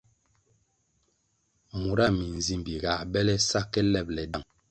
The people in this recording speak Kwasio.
Mura minzimbi ga bele sa ke lebʼle dang.